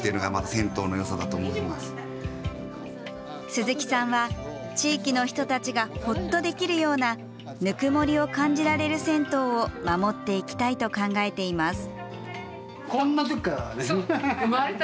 鈴木さんは地域の人たちがほっとできるようなぬくもりを感じられる銭湯を守っていきたいと考えています。